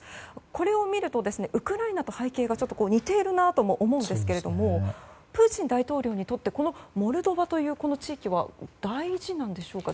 これを見るとウクライナと背景が似ているなと思うんですけどプーチン大統領にとってこのモルドバという地域は大事なんでしょうか。